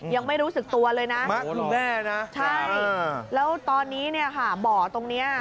ยังไม่รู้สึกตัวเลยนะใช่แล้วตอนนี้เนี่ยค่ะบ่อตรงเนี่ย